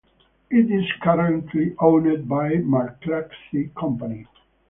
It is currently owned by The McClatchy Company.